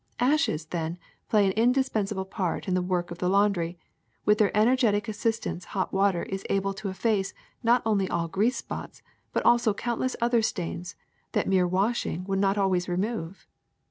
Ashes, then, play an indispensable part in the work of the laundry; with their energetic assistance hot water is able to efface not only all grease spots, but also countless other stains that mere washing would not always remove.